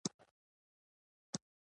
راوهي په سمندر کې خپله لاره